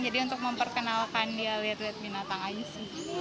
untuk memperkenalkan dia lihat lihat binatang aja sih